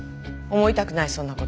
思いたくないそんな事。